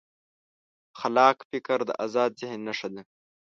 خلاق فکر د ازاد ذهن نښه ده.